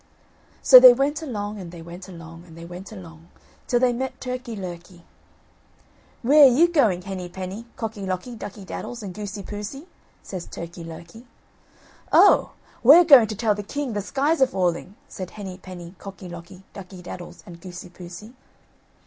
So they went along, and they went along, and they went along, till they met Turkey lurkey. "Where are you going, Henny penny, Cocky locky, Ducky daddles, and Goosey poosey?" says Turkey lurkey. "Oh! we're going to tell the king the sky's a falling," said Henny penny, Cocky locky, Ducky daddles and Goosey poosey.